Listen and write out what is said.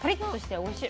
おいしい！